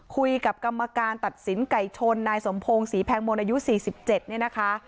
คุยกับกรรมการตัดสินไก่ชนนายสมพงศรีแพงมนต์อายุ๔๗เนี่ยนะคะ